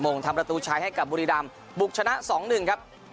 งทำประตูชัยให้กับบุรีรำบุกชนะ๒๑ครับ